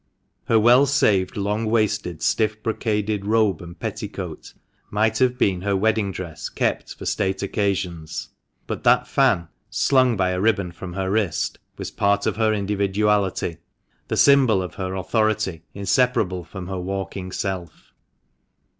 Her well saved, long waisted, stiff brocaded robe and petticoat might have been her wedding dress kept for state occasions ; but that fan, slung by a ribbon from her wrist, was part of her individuality — the symbol of her authority inseparable from her walking self.